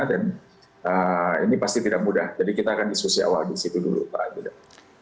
dan ini pasti tidak mudah jadi kita akan diskusi awal disitu dulu pak